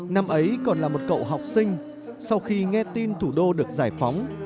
năm ấy còn là một cậu học sinh sau khi nghe tin thủ đô được giải phóng